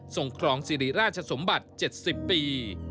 ครองสิริราชสมบัติ๗๐ปี